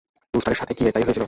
রুস্টারের সাথে কি এটাই হয়েছিল?